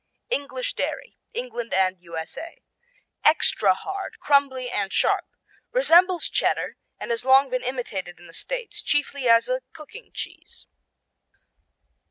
English Dairy England and U.S.A. Extra hard, crumbly and sharp. Resembles Cheddar and has long been imitated in the States, chiefly as a cooking cheese.